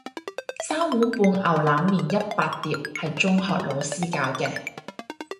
三碗半牛腩麵一百碟係中學老師教嘅